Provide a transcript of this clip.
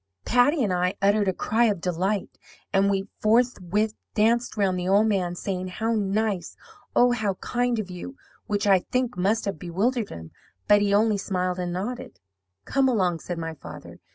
"Patty and I uttered a cry of delight, and we forthwith danced round the old man, saying, 'How nice; Oh, how kind of you!' which I think must have bewildered him, but he only smiled and nodded. "'Come along,' said my father.